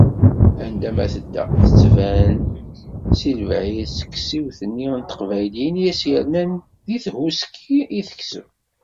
Anda ma tedda tettban si lebɛid s teksiwt-nni n teqbayliyin i as-yernan di thuski i tekseb.